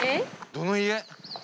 どの家？